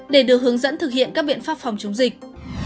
để được hướng dẫn thực hiện các biện pháp phòng chống dịch